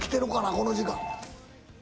この時間。